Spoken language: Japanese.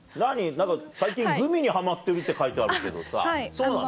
何か最近グミにハマってるって書いてあるけどさそうなの？